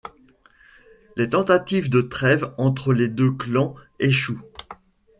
Les tentatives de trêve entre les deux clans échouent.